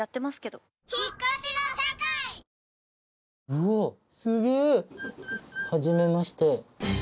うわすげぇはじめまして。